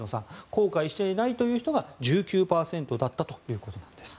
後悔していないという人が１９％だったということです。